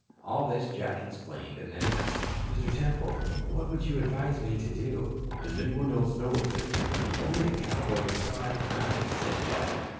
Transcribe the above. All this Jack explained and then asked: "Mr. Temple, what would you advise me to do?" "Does anybody else know of this?" "Only the cowboy who saw it and I," said Jack.